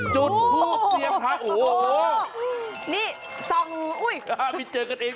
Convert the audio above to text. เจอกันไม่ฯเท่าเลย